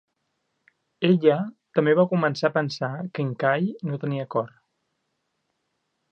Ella també va començar a pensar que en Kay no tenia cor.